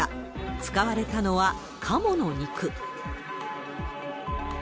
使われたのはカモの肉。